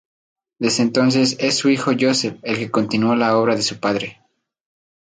Desde entonces es su hijo Josep el que continúa la obra de su padre.